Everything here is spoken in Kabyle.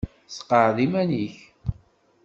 Sseqɛed iman-nnek.